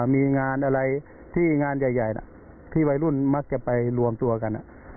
มีงานอะไรที่งานใหญ่ที่วัยรุ่นมักจะไปรวมตัวกัน